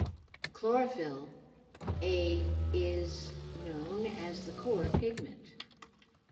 Chlorophyll "a" is known as the core pigment.